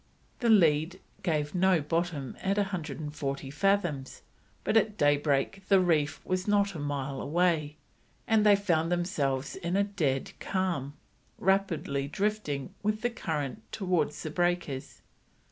The lead gave no bottom at 140 fathoms, but at daybreak the reef was not a mile away, and they found themselves in a dead calm, rapidly drifting with the current towards the breakers.